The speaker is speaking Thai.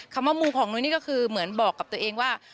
คำว่ามูของนุ้ยนี่ก็คือเหมือนบอกกับตัวเองว่า